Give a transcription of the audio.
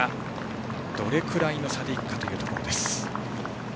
どれくらいの差で行くかというところ。